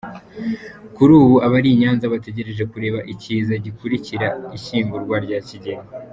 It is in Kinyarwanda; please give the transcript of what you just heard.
Kuri ubu abari I Nyanza bategereje kureba ikiza gukurikira ishyingurwa rya Kigeli v.